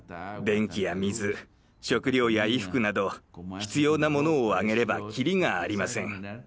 電気や水食料や衣服など必要なものを挙げればきりがありません。